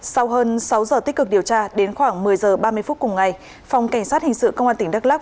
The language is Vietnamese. sau hơn sáu giờ tích cực điều tra đến khoảng một mươi giờ ba mươi phút cùng ngày phòng cảnh sát hình sự công an tỉnh đắk lắc